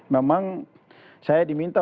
memang saya diminta